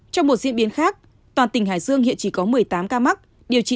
trong một diễn biến khác toàn tỉnh hải dương hiện chỉ có một mươi tám ca mắc điều trị